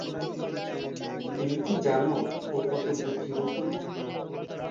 তুমি কি জানো ও কত বুদ্ধিমতী?